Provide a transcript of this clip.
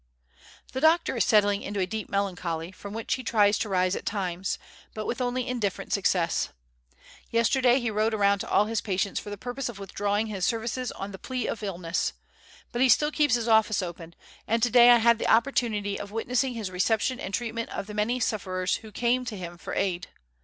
The doctor is settling into a deep melancholy, from which he tries to rise at times, but with only indifferent success. Yesterday he rode around to all his patients for the purpose of withdrawing his services on the plea of illness. But he still keeps his office open, and today I had the opportunity of witnessing his reception and treatment of the many sufferers who came to him for aid.